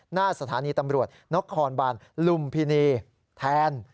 หน้าสถานีตำรวจนครบานลุมพินีแทน